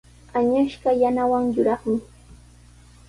Añasqa yanawan yuraqmi.